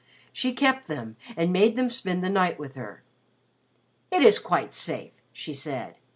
She kept them and made them spend the night with her. "It is quite safe," she said.